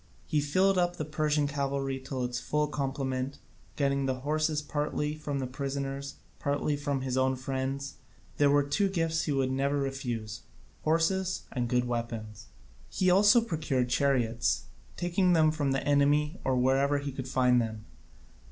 He filled up the Persian cavalry to its full complement, getting the horses partly from the prisoners, partly from his own friends. There were two gifts he would never refuse, horses and good weapons. He also procured chariots, taking them from the enemy or wherever he could find them.